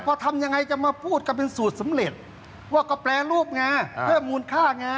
พอทำยังไงจะมาพูดกันเป็นสูตรสำเร็จว่าก็แปรรูปไงเพิ่มมูลค่าไง